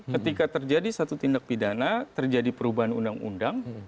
ketika terjadi satu tindak pidana terjadi perubahan undang undang